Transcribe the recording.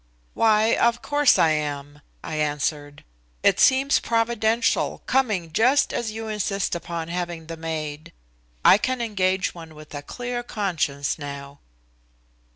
"Why! of course I am," I answered. "It seems providential, coming just as you insist upon having the maid. I can engage one with a clear conscience now."